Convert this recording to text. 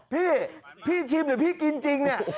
โฮพี่ชิมแต่พี่กินจริง